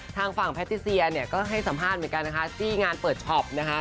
ทางฝั่งแพทติเซียเนี่ยก็ให้สัมภาษณ์เหมือนกันนะคะที่งานเปิดช็อปนะคะ